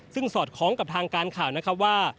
ซึ่งสอดคล้องกับทางการข่าวนะครับว่า